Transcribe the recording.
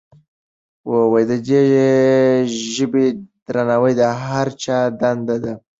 د دې ژبې درناوی د هر چا دنده ده.